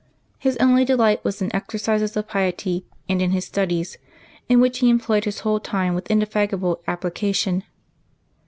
His only delight was in exercises of piety and in his studies, in which he employed his whole time with indefatigable application.